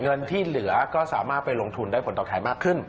เงินที่เหลือก็สามารถไปลงทุนได้ผลตอบแทนมากขึ้น